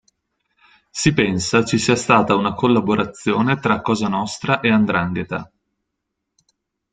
Si pensa ci sia stata una collaborazione tra Cosa Nostra e 'ndrangheta.